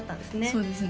そうですね